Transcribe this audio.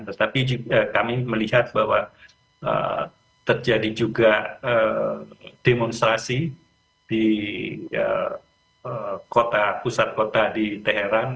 tetapi kami melihat bahwa terjadi juga demonstrasi di pusat kota di teheran